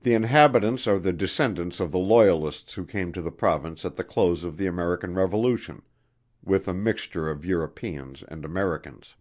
The inhabitants are the descendents of the Loyalists who came to the Province at the close of the American revolution, with a mixture of Europeans and Americans.